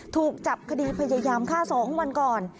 ถูกจับคดีพยายามฆ่า๒วันก่อน